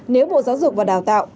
nếu bộ giáo dục và đào tạo